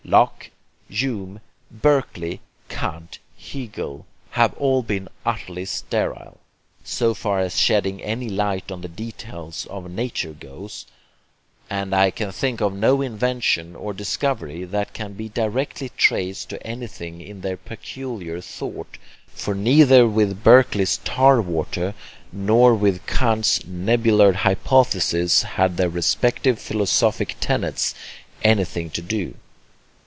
Locke, Hume, Berkeley, Kant, Hegel, have all been utterly sterile, so far as shedding any light on the details of nature goes, and I can think of no invention or discovery that can be directly traced to anything in their peculiar thought, for neither with Berkeley's tar water nor with Kant's nebular hypothesis had their respective philosophic tenets anything to do.